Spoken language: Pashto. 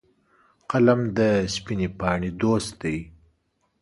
قلم د سپینې پاڼې دوست دی